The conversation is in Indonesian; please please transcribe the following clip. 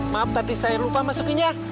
maaf tadi saya lupa masukinnya